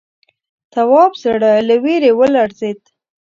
تواب زړه له وېرې ولړزېد.